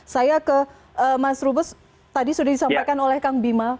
saya ke mas rubus tadi sudah disampaikan oleh kang bima